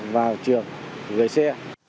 vào trường gửi xe